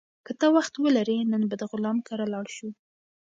که ته وخت ولرې، نن به د غلام کره لاړ شو.